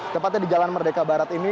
tepatnya di jalan merdeka barat ini